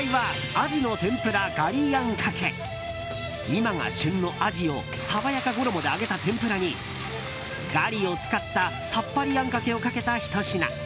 今が旬のアジを爽やか衣で揚げた天ぷらにガリを使ったさっぱりあんかけをかけたひと品。